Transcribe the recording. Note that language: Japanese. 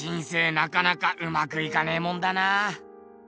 なかなかうまくいかねえもんだな。